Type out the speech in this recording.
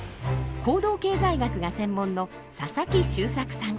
行動経済学が専門の佐々木周作さん。